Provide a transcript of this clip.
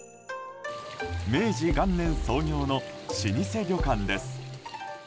明治元年創業の老舗旅館です。